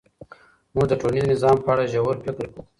موږ د ټولنیز نظام په اړه ژور فکر کوو.